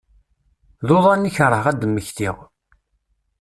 D uḍan i kerheɣ ad d-mmektiɣ.